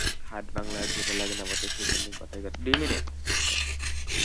হাত ভাঙলে আর জোড়া লাগে না বটে, সেইজন্যেই কথায় কথায় হাত ভাঙেও না।